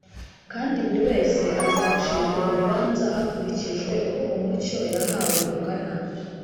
, kandi buri wese azacirwa urubanza hakurikijwe uko umucyo yahawe ungana